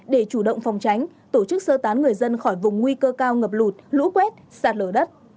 để chủ động phòng tránh tổ chức sơ tán người dân khỏi vùng nguy cơ cao ngập lụt lũ quét sạt lở đất